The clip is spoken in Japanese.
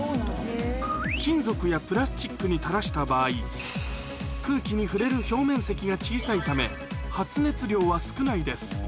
金属やプラスチックにたらした場合、空気に触れる表面積が小さいため、発熱量は少ないです。